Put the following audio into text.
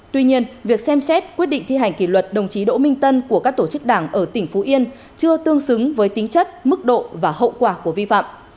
tuy nhiên việc xem xét quyết định thi hành kỷ luật đồng chí đỗ minh tân của các tổ chức đảng ở tỉnh phú yên chưa tương xứng với tính chất mức độ và hậu quả của vi phạm